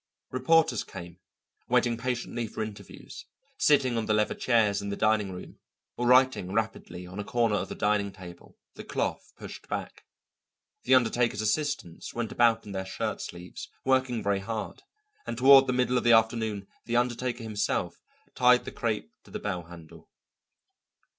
Reporters came, waiting patiently for interviews, sitting on the leather chairs in the dining room, or writing rapidly on a corner of the dining table, the cloth pushed back. The undertaker's assistants went about in their shirt sleeves, working very hard, and toward the middle of the afternoon the undertaker himself tied the crêpe to the bell handle.